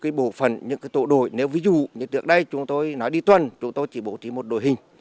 chúng tôi bố trí bổ phần những tội đội nếu ví dụ như trước đây chúng tôi nói đi tuần chúng tôi chỉ bố trí một đội hình